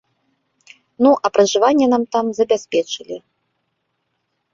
Ну, а пражыванне нам там забяспечылі.